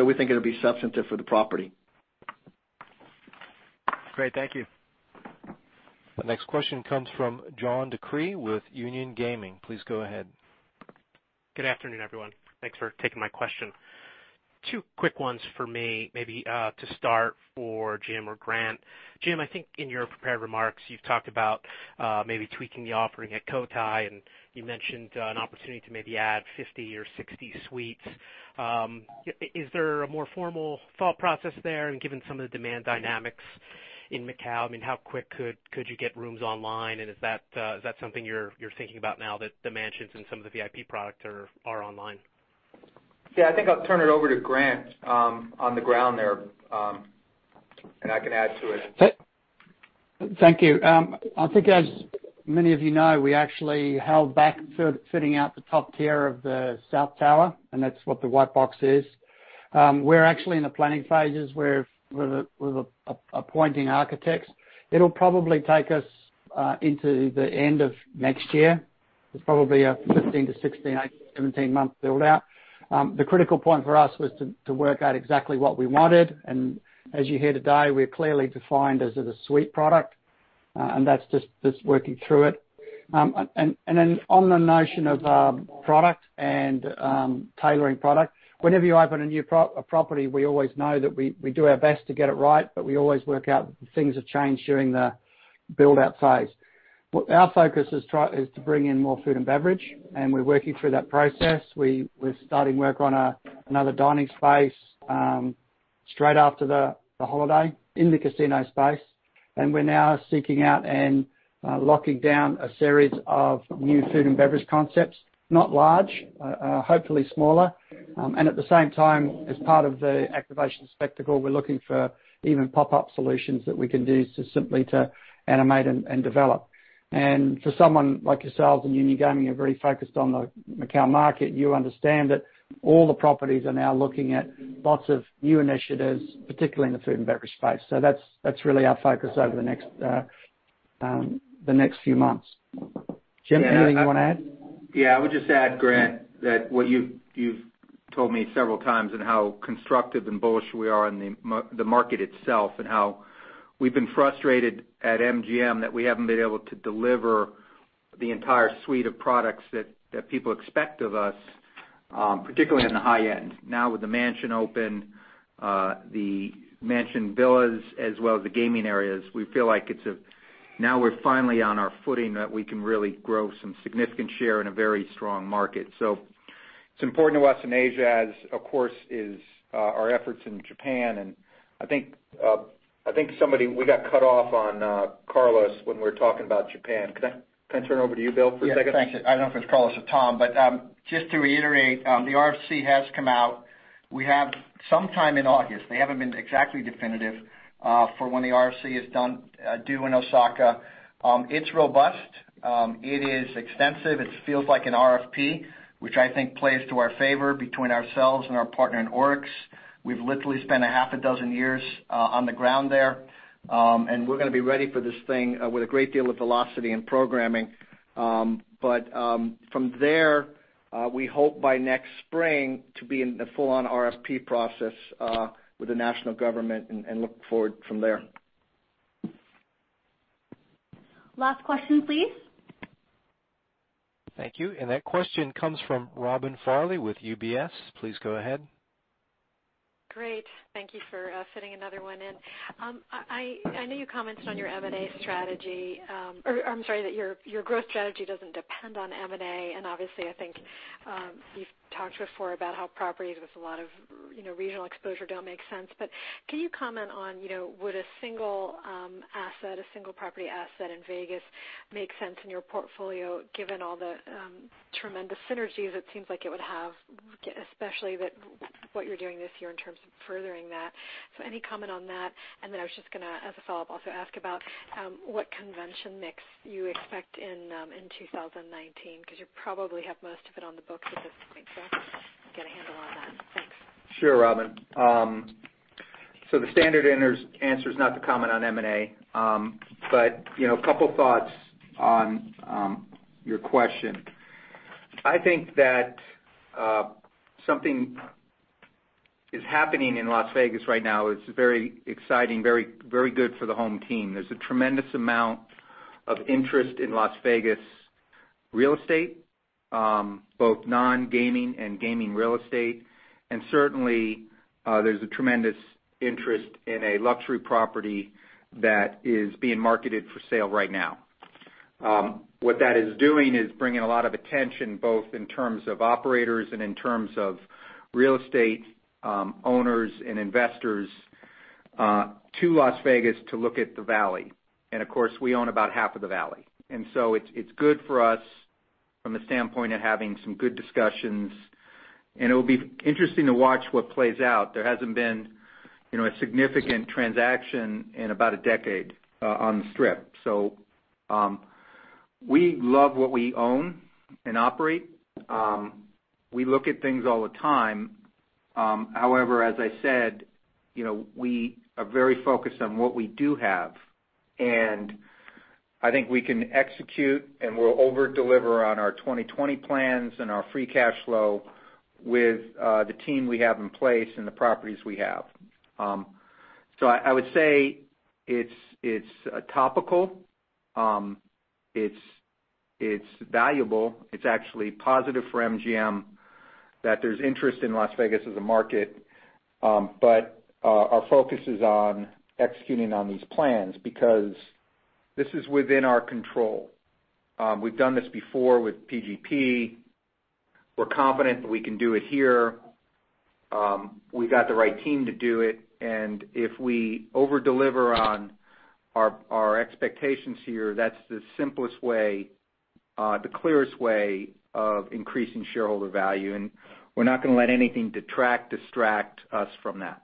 We think it'll be substantive for the property. Great. Thank you. The next question comes from John DeCree with Union Gaming. Please go ahead. Good afternoon, everyone. Thanks for taking my question. Two quick ones for me, maybe to start for Jim or Grant. Jim, I think in your prepared remarks, you've talked about maybe tweaking the offering at Cotai, and you mentioned an opportunity to maybe add 50 or 60 suites. Is there a more formal thought process there? Given some of the demand dynamics in Macau, how quick could you get rooms online, and is that something you're thinking about now that the mansions and some of the VIP product are online? Yeah, I think I'll turn it over to Grant on the ground there. I can add to it. Thank you. I think as many of you know, we actually held back fitting out the top tier of the south tower, and that's what the white box is. We're actually in the planning phases. We're appointing architects. It'll probably take us into the end of next year. It's probably a 15 to 16, 17 month build-out. The critical point for us was to work out exactly what we wanted, and as you hear today, we're clearly defined as the suite product, and that's just working through it. On the notion of product and tailoring product, whenever you open a new property, we always know that we do our best to get it right, but we always work out things have changed during the build-out phase. Our focus is to bring in more food and beverage, and we're working through that process. We're starting work on another dining space straight after the holiday in the casino space, and we're now seeking out and locking down a series of new food and beverage concepts. Not large, hopefully smaller. At the same time, as part of the activation spectacle, we're looking for even pop-up solutions that we can use just simply to animate and develop. For someone like yourselves in Union Gaming, you're very focused on the Macau market. You understand that all the properties are now looking at lots of new initiatives, particularly in the food and beverage space. That's really our focus over the next few months. Jim, anything you want to add? Yeah. I would just add, Grant, that what you've told me several times and how constructive and bullish we are on the market itself, and how we've been frustrated at MGM that we haven't been able to deliver the entire suite of products that people expect of us, particularly in the high end. Now with The Mansion open, the Mansion Villas, as well as the gaming areas, we feel like now we're finally on our footing that we can really grow some significant share in a very strong market. It's important to us in Asia, as of course is our efforts in Japan, and I think somebody we got cut off on Carlo when we were talking about Japan. Could I turn it over to you, Bill, for a second? Yes. Thank you. I don't know if it's Carlo or Tom, but just to reiterate, the RFC has come out. We have sometime in August. They haven't been exactly definitive for when the RFC is due in Osaka. It's robust. It is extensive. It feels like an RFP, which I think plays to our favor between ourselves and our partner in ORIX. We've literally spent a half a dozen years on the ground there, and we're going to be ready for this thing with a great deal of velocity and programming. From there, we hope by next spring to be in the full-on RFP process with the national government and look forward from there. Last question, please. Thank you. That question comes from Robin Farley with UBS. Please go ahead. Great. Thank you for fitting another one in. I know you commented on your M&A strategy, or I'm sorry that your growth strategy doesn't depend on M&A, obviously, I think you've talked before about how properties with a lot of regional exposure don't make sense. Can you comment on would a single property asset in Vegas make sense in your portfolio, given all the tremendous synergies it seems like it would have, especially with what you're doing this year in terms of furthering that? Any comment on that? Then I was just going to, as a follow-up, also ask about what convention mix you expect in 2019, because you probably have most of it on the books at this point. Get a handle on that. Thanks. Sure, Robin. The standard answer is not to comment on M&A. A couple of thoughts on your question. I think that something is happening in Las Vegas right now. It's very exciting, very good for the home team. There's a tremendous amount of interest in Las Vegas real estate, both non-gaming and gaming real estate. Certainly, there's a tremendous interest in a luxury property that is being marketed for sale right now. What that is doing is bringing a lot of attention, both in terms of operators and in terms of real estate owners and investors to Las Vegas to look at the Valley. Of course, we own about half of the Valley. So it's good for us from the standpoint of having some good discussions, and it'll be interesting to watch what plays out. There hasn't been a significant transaction in about a decade on the Strip. We love what we own and operate. We look at things all the time. However, as I said, we are very focused on what we do have. I think we can execute, and we'll over-deliver on our 2020 plans and our free cash flow with the team we have in place and the properties we have. I would say it's topical. It's valuable. It's actually positive for MGM that there's interest in Las Vegas as a market. Our focus is on executing on these plans because this is within our control. We've done this before with PGP. We're confident that we can do it here. We've got the right team to do it. If we over-deliver on our expectations here, that's the simplest way, the clearest way of increasing shareholder value, and we're not going to let anything detract, distract us from that.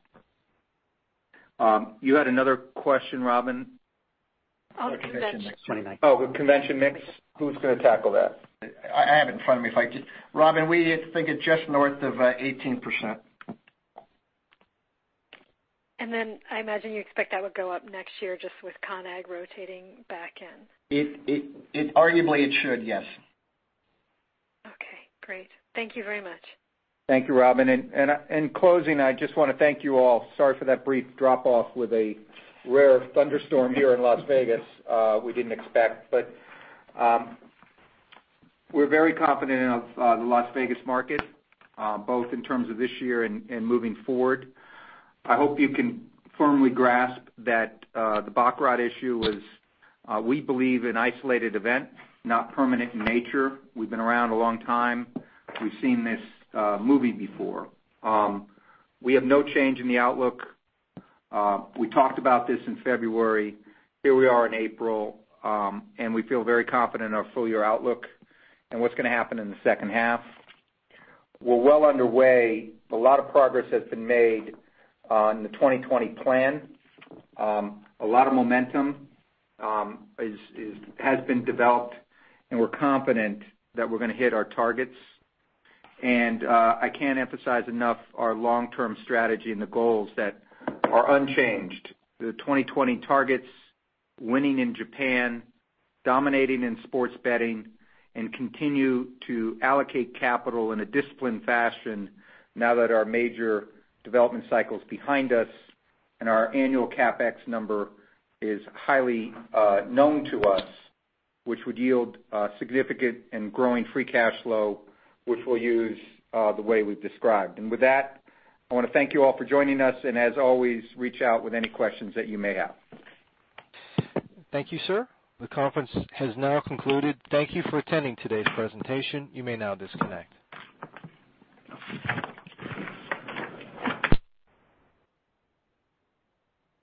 You had another question, Robin? On convention mix. Oh, the convention mix. Who's going to tackle that? I have it in front of me if I could-- Robin, we think it's just north of 18%. I imagine you expect that would go up next year just with CONEXPO-CON/AGG rotating back in. Arguably it should, yes. Okay, great. Thank you very much. Thank you, Robin. In closing, I just want to thank you all. Sorry for that brief drop off with a rare thunderstorm here in Las Vegas we didn't expect. We're very confident of the Las Vegas market, both in terms of this year and moving forward. I hope you can firmly grasp that the baccarat issue was, we believe, an isolated event, not permanent in nature. We've been around a long time. We've seen this movie before. We have no change in the outlook. We talked about this in February. Here we are in April, we feel very confident in our full-year outlook and what's going to happen in the second half. We're well underway. A lot of progress has been made on the 2020 plan. A lot of momentum has been developed, we're confident that we're going to hit our targets. I can't emphasize enough our long-term strategy and the goals that are unchanged. The 2020 targets, winning in Japan, dominating in sports betting, continue to allocate capital in a disciplined fashion now that our major development cycle's behind us and our annual CapEx number is highly known to us, which would yield significant and growing free cash flow, which we'll use the way we've described. With that, I want to thank you all for joining us, as always, reach out with any questions that you may have. Thank you, sir. The conference has now concluded. Thank you for attending today's presentation. You may now disconnect.